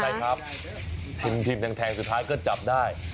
ใช่ครับพิมพ์แทงสุดท้ายก็จับได้